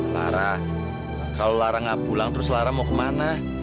lara kalau lara gak pulang terus lara mau kemana